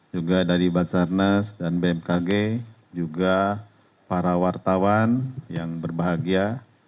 juga dari basarnas dan bmkg juga para wartawan yang berbahagia